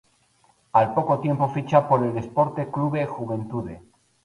Al poco tiempo ficha por el Esporte Clube Juventude.